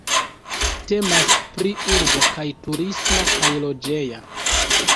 Temas pri urbo kaj turisma kaj loĝeja.